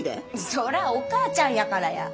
そらお母ちゃんやからや。